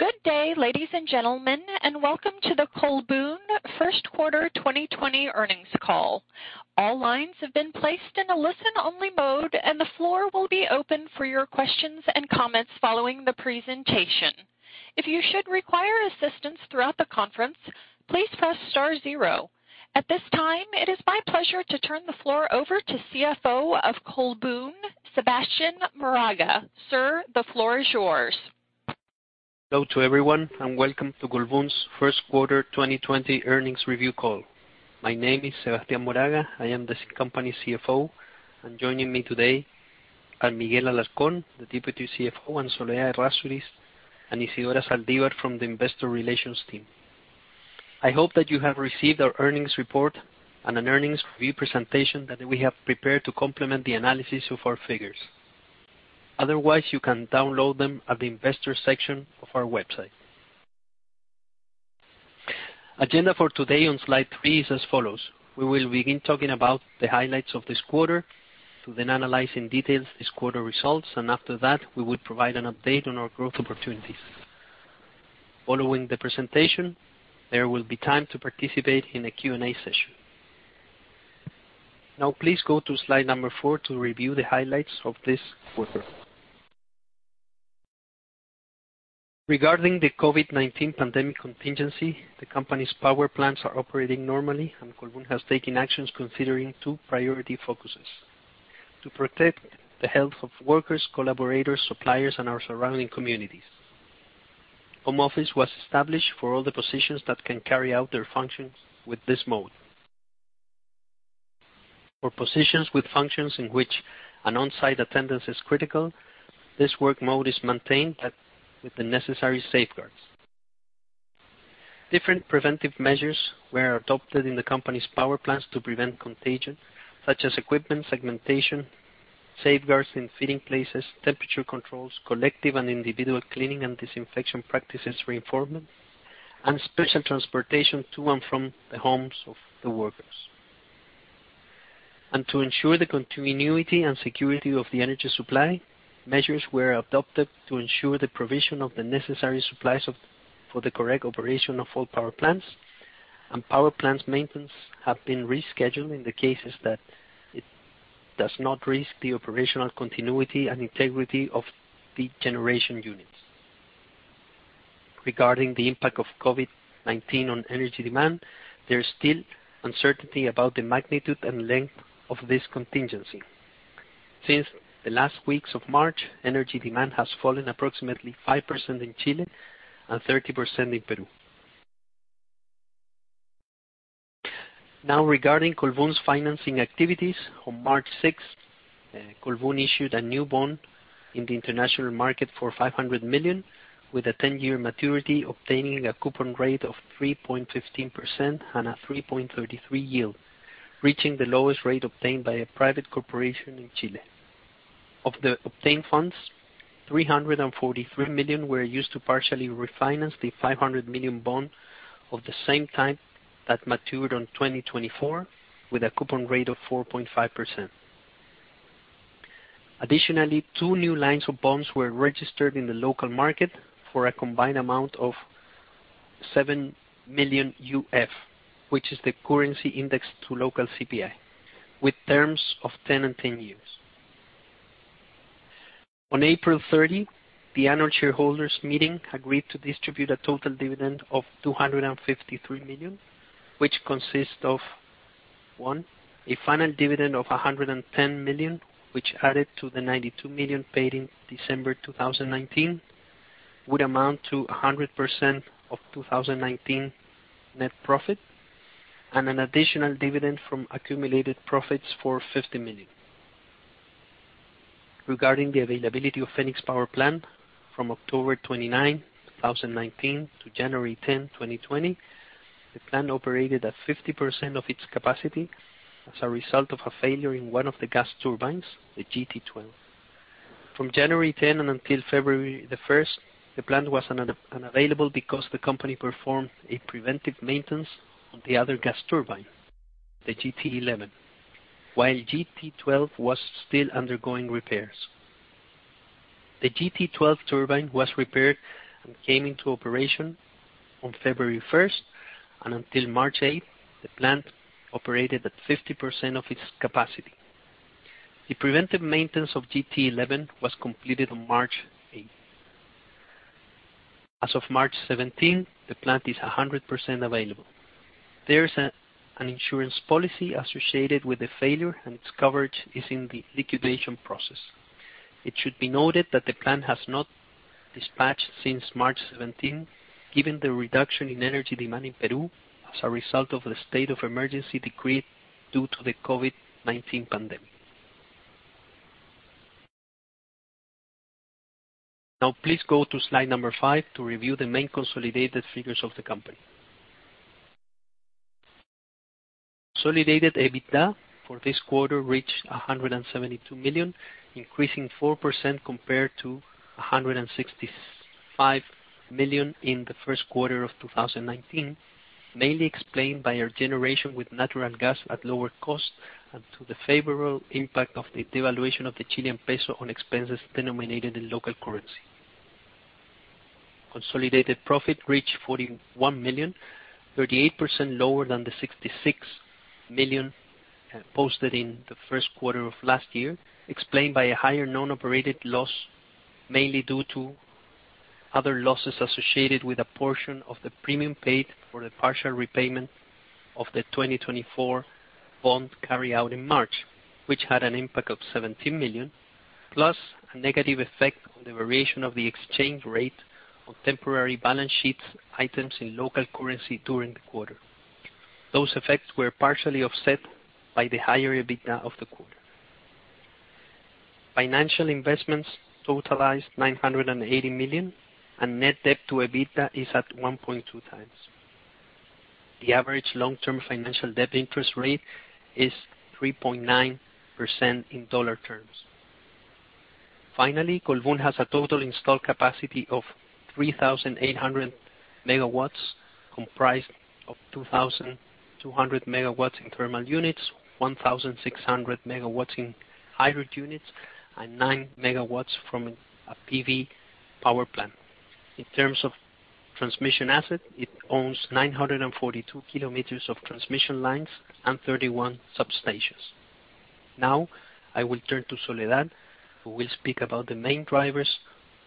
Good day, ladies and gentlemen, and welcome to the Colbún First Quarter 2020 Earnings Call. All lines have been placed in a listen-only mode, and the floor will be open for your questions and comments following the presentation. If you should require assistance throughout the conference, please press star zero. At this time, it is my pleasure to turn the floor over to CFO of Colbún, Sebastián Moraga. Sir, the floor is yours. Hello to everyone, welcome to Colbún's First Quarter 2020 Earnings Review Call. My name is Sebastián Moraga. I am this company's CFO, and joining me today are Miguel Alarcón, the Deputy CFO, and Soledad Errázuriz, and Isidora Zaldívar from the investor relations team. I hope that you have received our earnings report and an earnings review presentation that we have prepared to complement the analysis of our figures. Otherwise, you can download them at the investor section of our website. Agenda for today on slide three is as follows. We will begin talking about the highlights of this quarter, to then analyze in detail this quarter results, and after that, we will provide an update on our growth opportunities. Following the presentation, there will be time to participate in a Q&A session. Now, please go to slide number four to review the highlights of this quarter. Regarding the COVID-19 pandemic contingency, the company's power plants are operating normally, and Colbún has taken actions considering two priority focuses: to protect the health of workers, collaborators, suppliers, and our surrounding communities. Home office was established for all the positions that can carry out their functions with this mode. For positions with functions in which an on-site attendance is critical, this work mode is maintained, but with the necessary safeguards. Different preventive measures were adopted in the company's power plants to prevent contagion, such as equipment segmentation, safeguards in feeding places, temperature controls, collective and individual cleaning and disinfection practices reinforcement, and special transportation to and from the homes of the workers. To ensure the continuity and security of the energy supply, measures were adopted to ensure the provision of the necessary supplies for the correct operation of all power plants, and power plants maintenance have been rescheduled in the cases that it does not risk the operational continuity and integrity of the generation units. Regarding the impact of COVID-19 on energy demand, there is still uncertainty about the magnitude and length of this contingency. Since the last weeks of March, energy demand has fallen approximately 5% in Chile and 30% in Peru. Now regarding Colbún's financing activities, on March 6th, Colbún issued a new bond in the international market for $500 million with a 10-year maturity, obtaining a coupon rate of 3.15% and a 3.33% yield, reaching the lowest rate obtained by a private corporation in Chile. Of the obtained funds, $343 million were used to partially refinance the $500 million bond of the same type that matured on 2024 with a coupon rate of 4.5%. Additionally, two new lines of bonds were registered in the local market for a combined amount of UF 7 million, which is the currency index to local CPI, with terms of 10 and 10 years. On April 30, the Annual Shareholders Meeting agreed to distribute a total dividend of $253 million, which consists of, one, a final dividend of $110 million, which added to the $92 million paid in December 2019, would amount to 100% of 2019 net profit, and an additional dividend from accumulated profits for $50 million. Regarding the availability of Fenix Power Plant, from October 29, 2019 to January 10, 2020, the plant operated at 50% of its capacity as a result of a failure in one of the gas turbines, the GT-12. From January 10, and until February the 1st, the plant was unavailable because the company performed a preventive maintenance on the other gas turbine, the GT-11, while GT-12 was still undergoing repairs. The GT-12 turbine was repaired and came into operation on February the 1st, and until March 8th, the plant operated at 50% of its capacity. The preventive maintenance of GT-11 was completed on March 8th. As of March 17, the plant is 100% available. There is an insurance policy associated with the failure, and its coverage is in the liquidation process. It should be noted that the plant has not dispatched since March 17, given the reduction in energy demand in Peru as a result of the state of emergency decreed due to the COVID-19 pandemic. Now, please go to slide number five to review the main consolidated figures of the company. Consolidated EBITDA for this quarter reached $172 million, increasing 4% compared to $165 million in the first quarter of 2019, mainly explained by our generation with natural gas at lower cost and to the favorable impact of the devaluation of the Chilean peso on expenses denominated in local currency. Consolidated profit reached $41 million, 38% lower than the $66 million posted in the first quarter of last year, explained by a higher non-operated loss, mainly due to other losses associated with a portion of the premium paid for the partial repayment of the 2024 bond carried out in March, which had an impact of $17 million, plus a negative effect on the variation of the exchange rate on temporary balance sheet items in local currency during the quarter. Those effects were partially offset by the higher EBITDA of the quarter. Financial investments totalize $980 million, and net debt to EBITDA is at 1.2x. The average long-term financial debt interest rate is 3.9% in dollar terms. Finally, Colbún has a total installed capacity of 3,800 MW, comprised of 2,200 MW in thermal units, 1,600 MW in hydro units, and 9 MW from a PV power plant.In terms of transmission asset, it owns 942 km of transmission lines and 31 substations. Now, I will turn to Soledad, who will speak about the main drivers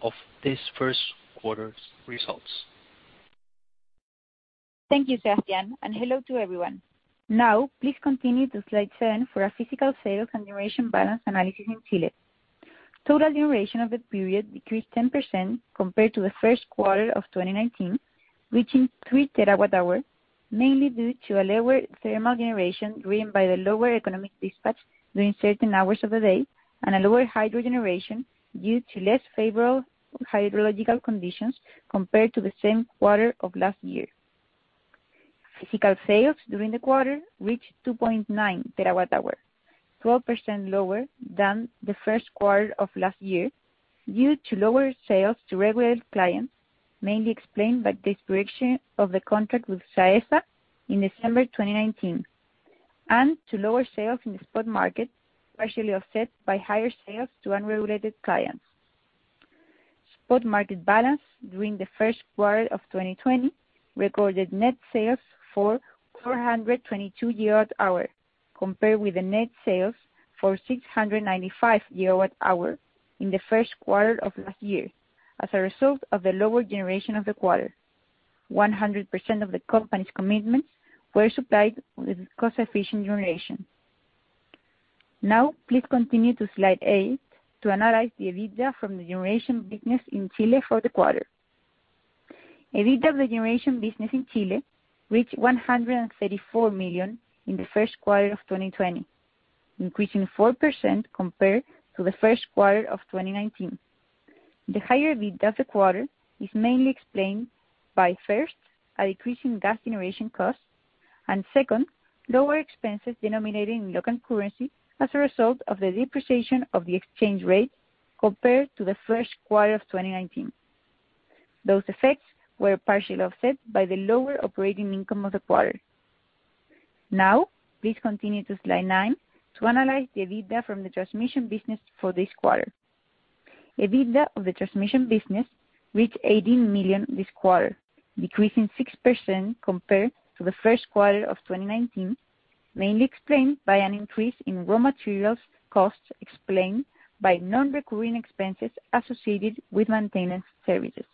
of this first quarter's results. Thank you, Sebastián, and hello to everyone. Please continue to slide 10 for our physical sales and generation balance analysis in Chile. Total generation of the period decreased 10% compared to the first quarter of 2019, reaching 3 TWh, mainly due to a lower thermal generation driven by the lower economic dispatch during certain hours of the day, and a lower hydro generation due to less favorable hydrological conditions compared to the same quarter of last year. Physical sales during the quarter reached 2.9 TWh, 12% lower than the first quarter of last year, due to lower sales to regulated clients, mainly explained by the expiration of the contract with Saesa in December 2019, and to lower sales in the spot market, partially offset by higher sales to unregulated clients. Spot market balance during the first quarter of 2020 recorded net sales for 422 GWh, compared with the net sales for 695 GWh in the first quarter of last year, as a result of the lower generation of the quarter. 100% of the company's commitments were supplied with cost-efficient generation. Now, please continue to slide eight to analyze the EBITDA from the generation business in Chile for the quarter. EBITDA of the generation business in Chile reached $134 million in the first quarter of 2020, increasing 4% compared to the first quarter of 2019. The higher EBITDA of the quarter is mainly explained by, first, a decrease in gas generation costs, and second, lower expenses denominated in local currency as a result of the depreciation of the exchange rate compared to the first quarter of 2019. Those effects were partially offset by the lower operating income of the quarter. Please continue to slide nine to analyze the EBITDA from the transmission business for this quarter. EBITDA of the transmission business reached $18 million this quarter, decreasing 6% compared to the first quarter of 2019, mainly explained by an increase in raw materials costs explained by non-recurring expenses associated with maintenance services.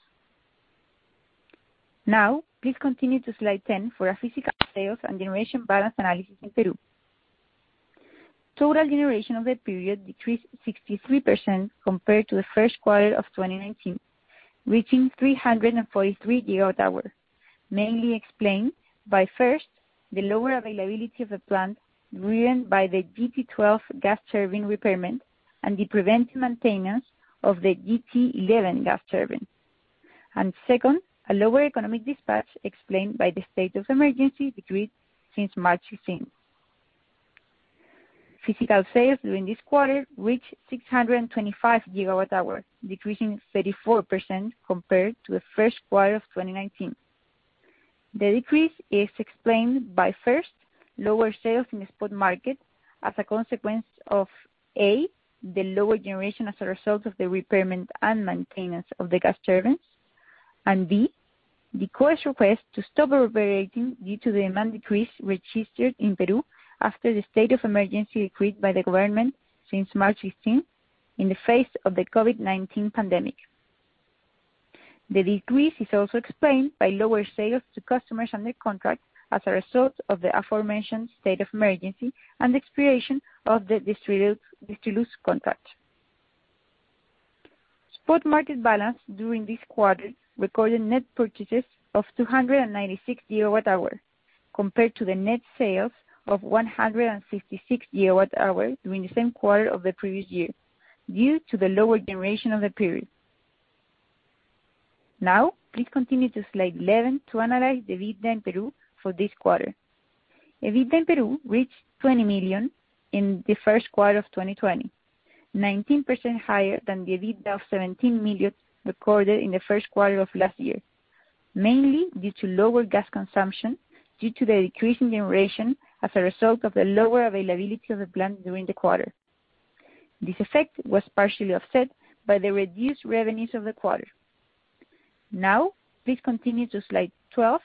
Now please continue to slide 10 for our physical sales and generation balance analysis in Peru. Total generation of the period decreased 63% compared to the first quarter of 2019, reaching 343 GWh, mainly explained by, first, the lower availability of the plant driven by the GT-12 gas turbine repairment and the preventive maintenance of the GT-11 gas turbine. And second, a lower economic dispatch explained by the state of emergency decreed since March 16. Physical sales during this quarter reached 625 GWh, decreasing 34% compared to the first quarter of 2019. The decrease is explained by, first, lower sales in the spot market as a consequence of, A, the lower generation as a result of the repairment and maintenance of the gas turbines. And B, the COES request to stop operating due to the demand decrease registered in Peru after the state of emergency decreed by the government since March 16 in the face of the COVID-19 pandemic. The decrease is also explained by lower sales to customers under contract as a result of the aforementioned state of emergency and the expiration of the Distriluz contract. Spot market balance during this quarter recorded net purchases of 296 GWh compared to the net sales of 166 GWh during the same quarter of the previous year, due to the lower generation of the period. Now, please continue to slide 11 to analyze the EBITDA in Peru for this quarter. EBITDA in Peru reached $20 million in the first quarter of 2020, 19% higher than the EBITDA of $17 million recorded in the first quarter of last year, mainly due to lower gas consumption due to the decrease in generation as a result of the lower availability of the plant during the quarter. This effect was partially offset by the reduced revenues of the quarter. Now, please continue to slide 12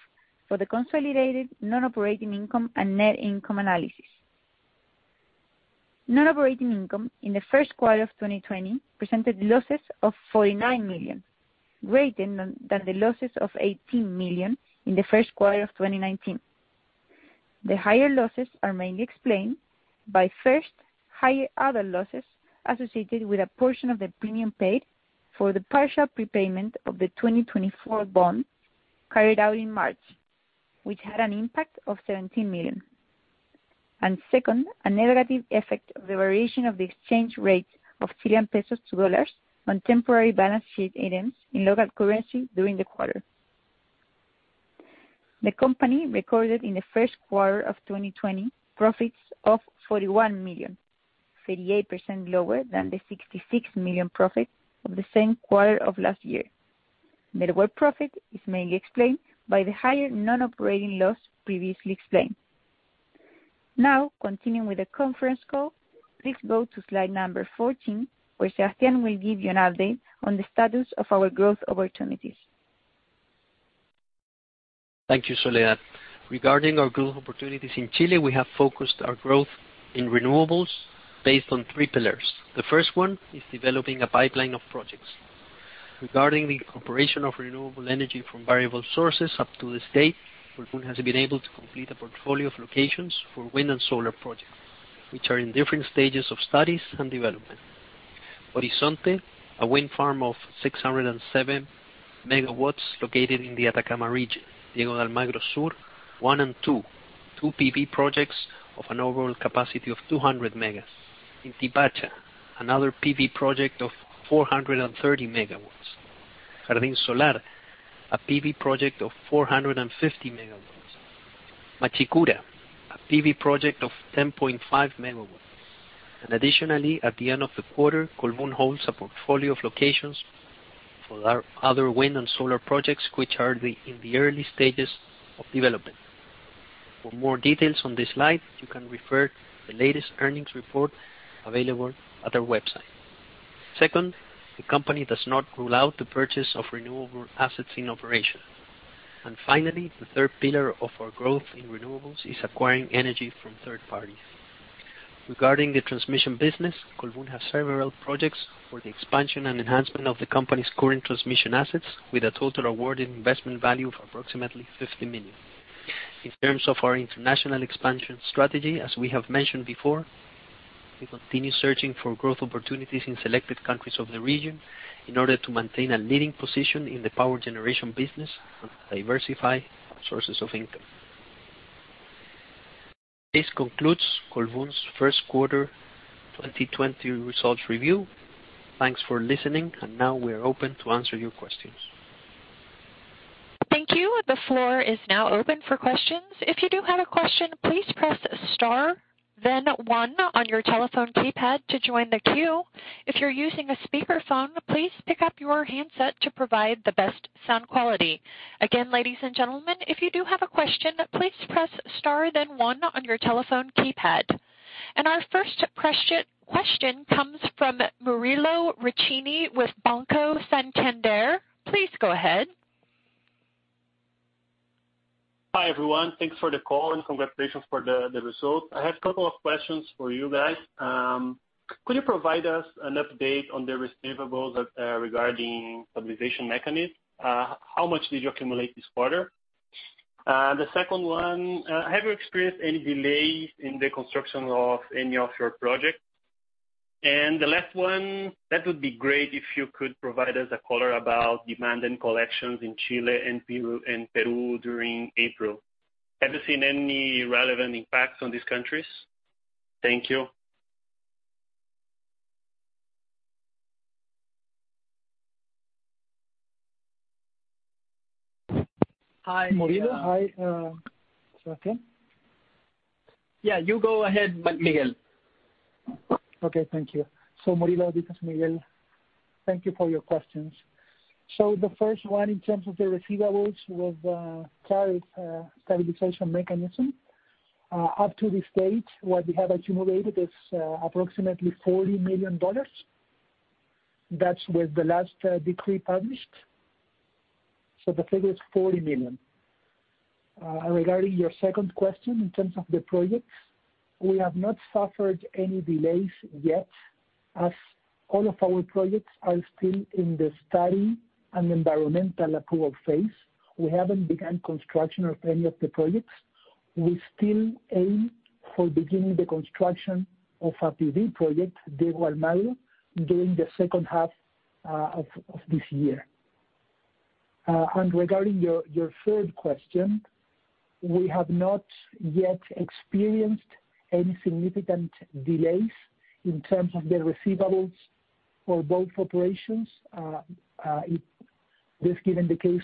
for the consolidated non-operating income and net income analysis. Non-operating income in the first quarter of 2020 presented losses of $49 million, greater than the losses of $18 million in the first quarter of 2019. The higher losses are mainly explained by, first, higher other losses associated with a portion of the premium paid for the partial prepayment of the 2024 bond carried out in March, which had an impact of $17 million. And second, a negative effect of the variation of the exchange rate of Chilean pesos to dollars on temporary balance sheet items in local currency during the quarter. The company recorded in the first quarter of 2020 profits of $41 million, 38% lower than the $66 million profit of the same quarter of last year. Net worth profit is mainly explained by the higher non-operating loss previously explained. Now, continuing with the conference call, please go to slide number 14, where Sebastián will give you an update on the status of our growth opportunities. Thank you, Soledad. Regarding our growth opportunities in Chile, we have focused our growth in renewables based on three pillars. The first one is developing a pipeline of projects. Regarding the operation of renewable energy from variable sources up to this date, Colbún has been able to complete a portfolio of locations for wind and solar projects, which are in different stages of studies and development. Horizonte, a wind farm of 607 MW located in the Atacama region. Diego de Almagro Sur I and II, two PV projects of an overall capacity of 200 MW. In Inti Pacha, another PV project of 430 MW. Jardín Solar, a PV project of 450 MW. Machicura, a PV project of 10.5 MW. Additionally, at the end of the quarter, Colbún holds a portfolio of locations for other wind and solar projects, which are in the early stages of development. For more details on this slide, you can refer to the latest earnings report available at our website. Second, the company does not rule out the purchase of renewable assets in operation. Finally, the third pillar of our growth in renewables is acquiring energy from third parties. Regarding the transmission business, Colbún has several projects for the expansion and enhancement of the company's current transmission assets, with a total awarded investment value of approximately $50 million. In terms of our international expansion strategy, as we have mentioned before, we continue searching for growth opportunities in selected countries of the region in order to maintain a leading position in the power generation business and diversify sources of income. This concludes Colbún's First Quarter 2020 Results Review. Thanks for listening. Now we are open to answer your questions. Thank you. The floor is now open for questions. If you do have a question, please press star then one on your telephone keypad to join the queue. If you're using a speakerphone, please pick up your handset to provide the best sound quality. Again, ladies and gentlemen, if you do have a question, please press star then one on your telephone keypad. Our first question comes from Murilo Riccini with Banco Santander. Please go ahead. Hi, everyone. Thanks for the call, and congratulations for the results. I have a couple of questions for you guys. Could you provide us an update on the receivables regarding stabilization mechanism? How much did you accumulate this quarter? The second one, have you experienced any delays in the construction of any offshore projects? The last one, that would be great if you could provide us a color about demand and collections in Chile and Peru during April. Have you seen any relevant impacts on these countries? Thank you. Hi, Murilo. Hi. Sebastián? Yeah, you go ahead, Miguel. Okay. Thank you. Murilo, this is Miguel. Thank you for your questions. The first one, in terms of the receivables with tariff stabilization mechanism, up to this date, what we have accumulated is approximately $40 million. That's with the last decree published. The figure is $40 million. Regarding your second question, in terms of the projects, we have not suffered any delays yet, as all of our projects are still in the study and environmental approval phase. We haven't begun construction of any of the projects. We still aim for beginning the construction of our PV project, Diego de Almagro, during the second half of this year. Regarding your third question, we have not yet experienced any significant delays in terms of the receivables for both operations. This has been the case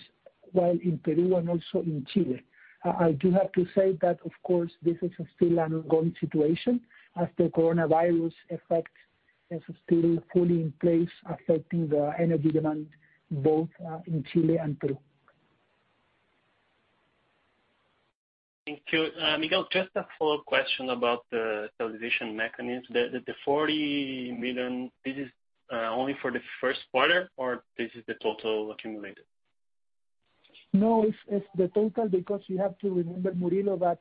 in Peru and also in Chile. I do have to say that, of course, this is still an ongoing situation as the coronavirus effect is still fully in place, affecting the energy demand both in Chile and Peru. Thank you. Miguel, just a follow-up question about the tariff stabilization mechanism. The $40 million, this is only for the first quarter, or this is the total accumulated? It's the total because you have to remember, Murilo, that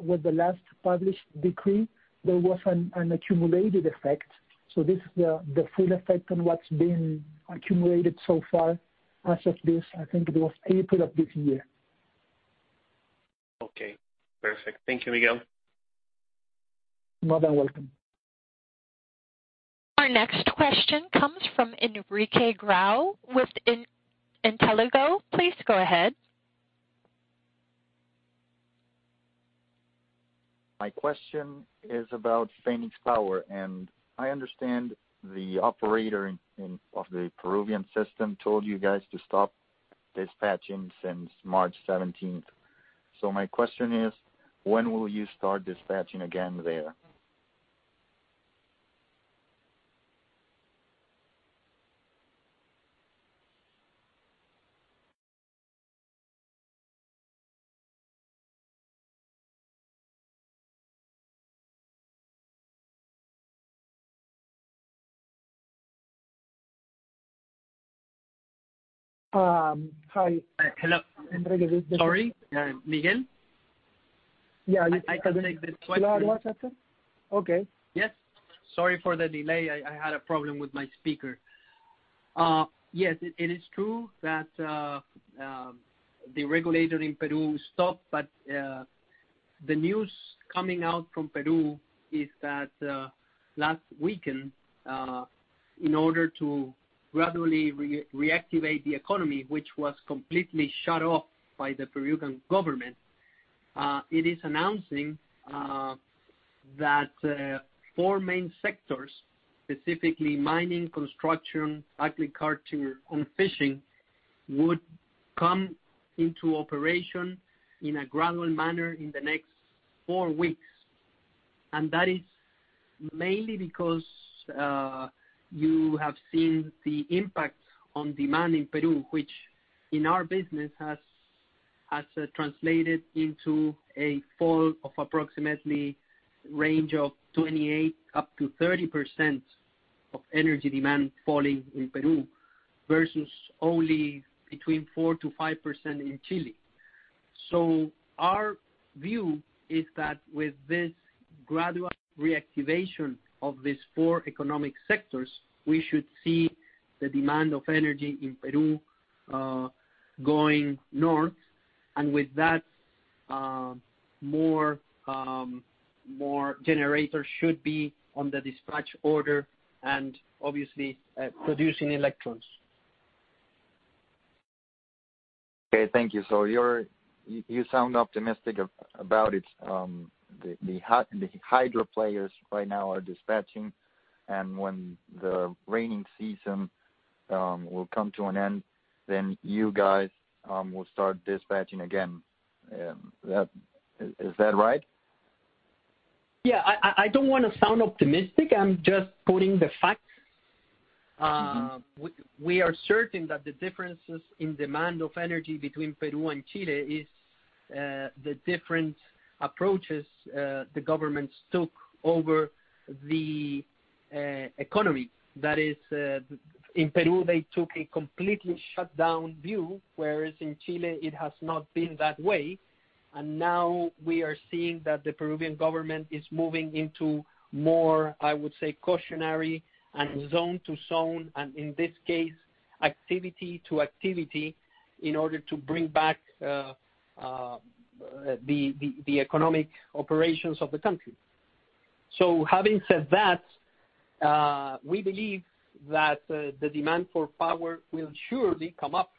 with the last published decree, there was an accumulated effect. This is the full effect on what's been accumulated so far as of, I think it was April of this year. Okay, perfect. Thank you, Miguel. You are more than welcome. Our next question comes from Enrique Grau with Credicorp Capital. Please go ahead. My question is about Fenix Power. I understand the operator of the Peruvian system told you guys to stop dispatching since March 17th. My question is, when will you start dispatching again there? Hi. Hello. Enrique, Sorry, Miguel. Yeah. I connected twice. You are what, sir? Okay. Yes. Sorry for the delay. I had a problem with my speaker. Yes, it is true that the regulator in Peru stopped, the news coming out from Peru is that last weekend, in order to gradually reactivate the economy, which was completely shut off by the Peruvian government, it is announcing that four main sectors, specifically mining, construction, agriculture, and fishing, would come into operation in a gradual manner in the next four weeks. And that is mainly because you have seen the impact on demand in Peru, which in our business, has translated into a fall of approximately range of 28%-30% of energy demand falling in Peru, versus only between 4%-5% in Chile. Our view is that with this gradual reactivation of these four economic sectors, we should see the demand of energy in Peru going north. And with that, more generators should be on the dispatch order and obviously producing electrons. Okay, thank you. You sound optimistic about it. The hydro players right now are dispatching, and when the rainy season will come to an end, then you guys will start dispatching again. Is that right? Yeah, I don't want to sound optimistic. I'm just quoting the facts. We are certain that the differences in demand of energy between Peru and Chile is the different approaches the governments took over the economy. That is, in Peru, they took a completely shut-down view, whereas in Chile, it has not been that way. Now we are seeing that the Peruvian government is moving into more, I would say, cautionary and zone to zone, and in this case, activity to activity, in order to bring back the economic operations of the country. Having said that, we believe that the demand for power will surely come up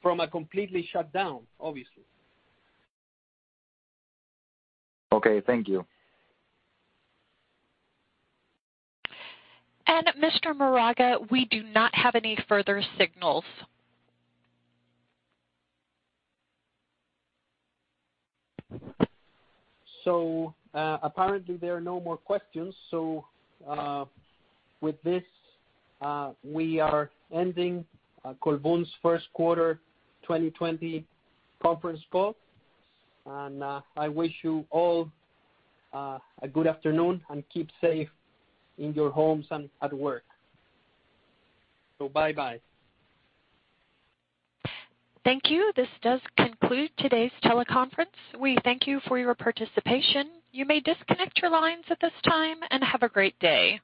from a completely shut-down, obviously. Okay. Thank you. Mr. Moraga, we do not have any further signals. Apparently, there are no more questions. With this, we are ending Colbún's First Quarter 2020 Conference Call. I wish you all a good afternoon and keep safe in your homes and at work. Bye-bye. Thank you. This does conclude today's teleconference. We thank you for your participation. You may disconnect your lines at this time, and have a great day.